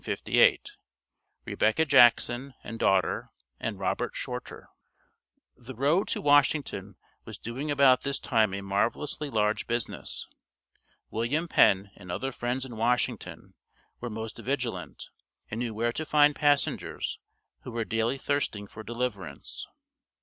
REBECCA JACKSON AND DAUGHTER, AND ROBERT SHORTER. The road to Washington was doing about this time a marvellously large business. "William Penn" and other friends in Washington were most vigilant, and knew where to find passengers who were daily thirsting for deliverance.